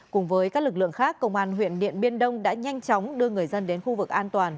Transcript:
cùng với các lực lượng khác công an huyện điện biên đông đã nhanh chóng đưa người dân đến khu vực an toàn